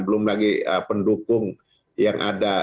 belum lagi pendukung yang ada